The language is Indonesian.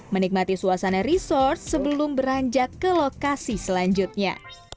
menikmati suasana resort sebelum beranjak ke lokasi selanjutnya